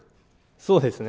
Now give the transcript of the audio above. そうですね。